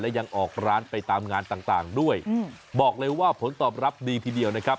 และยังออกร้านไปตามงานต่างด้วยบอกเลยว่าผลตอบรับดีทีเดียวนะครับ